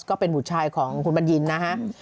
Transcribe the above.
ก็เป็นผู้ชายของคุณบรรยินนะฮะ